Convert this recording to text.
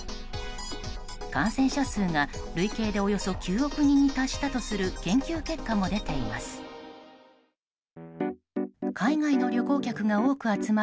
感染者数が累計でおよそ９億人に達したとする研究結果も出ています。